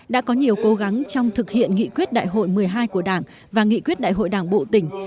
đã có nhiều cố gắng trong thực hiện nghị quyết đại hội một mươi hai của đảng và nghị quyết đại hội đảng bộ tỉnh